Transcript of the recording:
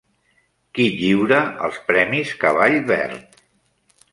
Qui lliura els Premis Cavall Verd?